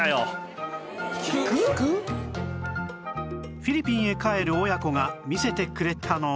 フィリピンへ帰る親子が見せてくれたのは